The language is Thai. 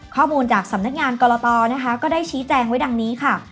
ข้อมูลจากสำนักงานกรตนะคะก็ได้ชี้แจงไว้ดังนี้ค่ะ